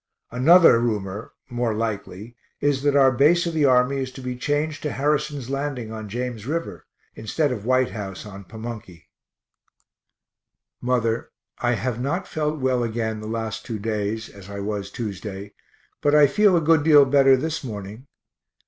Another rumor more likely is that our base of the army is to be changed to Harrison's Landing on James river instead of White House on Pamunkey. Mother, I have not felt well again the last two days as I was Tuesday, but I feel a good deal better this morning.